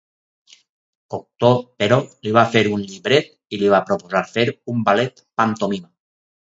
Cocteau però, li va fer un llibret i li va proposar fer un Ballet-Pantomima.